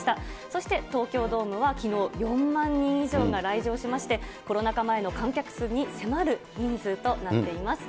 そして東京ドームはきのう、４万人以上が来場しまして、コロナ禍前の観客数に迫る人数となっています。